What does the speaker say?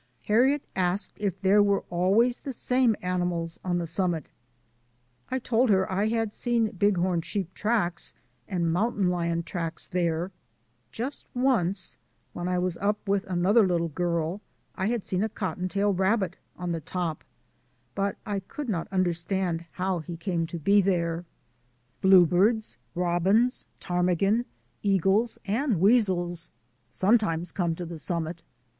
Harriet asked if there were always the same animals on the summit. I told her I had seen Bighorn sheep tracks and mountain lion tracks there. Just once — when I was up with another little girl — I had seen a cotton tail rabbit on the top, but I could not understand how he came to be there. Blue birds, robins, ptarmigan, eagles, and weasels sometimes come to the summit.